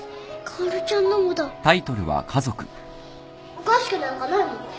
おかしくなんかないもん。